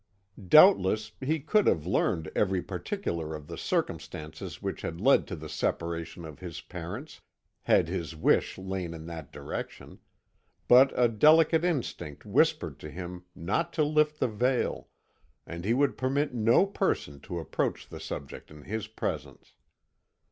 Doubtless he could have learned every particular of the circumstances which had led to the separation of his parents, had his wish lain in that direction; but a delicate instinct whispered to him not to lift the veil, and he would permit no person to approach the subject in his presence.